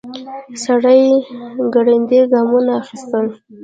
سړی ګړندي ګامونه اخيستل.